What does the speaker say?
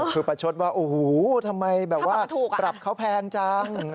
คือประชดว่าทำไมปรับเขาแพงจัง